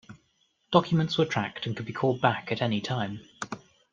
Documents were tracked and could be called back at any time.